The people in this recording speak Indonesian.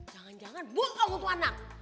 jangan jangan bohong untuk anak